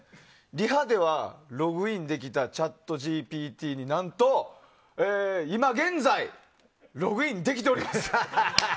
リハではログインできたＣｈａｔＧＰＴになんと、今現在ログインできておりません。